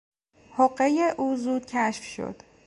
حقهی او زود کشف شد.